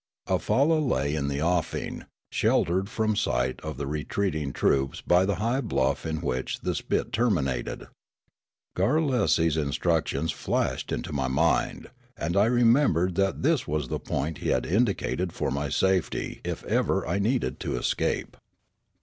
A falla lay in the offing, sheltered from sight of the retreating troops by the high bluff in which the spit terminated. Garrulesi's instructions flashed into ni} mind ; and I remembered that this was the point he had indicated for my safet}^ if ever I needed to escape.